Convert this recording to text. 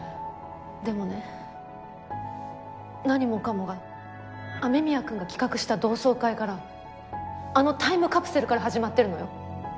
でもね何もかもが雨宮くんが企画した同窓会からあのタイムカプセルから始まってるのよ。